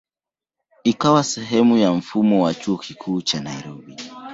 Ikawa sehemu ya mfumo wa Chuo Kikuu cha Nairobi.